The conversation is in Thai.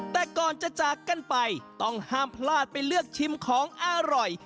แต่ก่อนจะจากกันไปต้องห้ามพลาดไปเลือกชิมของอร่อย